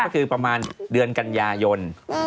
ก็คือประมาณเดือนกันยายน